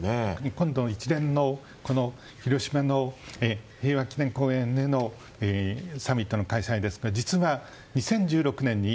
今度、一連の広島の平和記念公園でのサミットの開催ですが実は２０１６年に